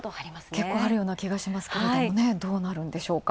結構あるような気がしますが、どうなるんでしょうか。